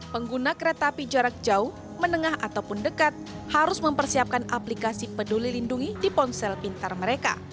pengguna kereta api jarak jauh menengah ataupun dekat harus mempersiapkan aplikasi peduli lindungi di ponsel pintar mereka